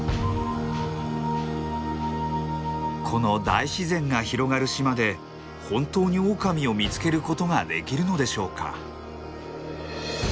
この大自然が広がる島で本当にオオカミを見つけることができるのでしょうか？